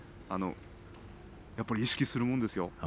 やっぱり意識するものですよ。